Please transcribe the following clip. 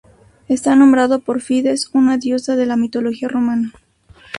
Está nombrado por Fides, una diosa de la mitología romana.